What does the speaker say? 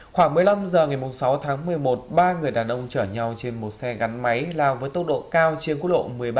khoảng một mươi năm h ngày sáu tháng một mươi một ba người đàn ông chở nhau trên một xe gắn máy lao với tốc độ cao trên quốc lộ một mươi bảy